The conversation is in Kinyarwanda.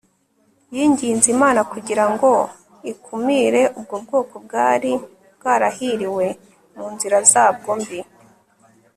yinginze Imana kugira ngo ikumire ubwo bwoko bwari bwarahiriwe mu nzira zabwo mbi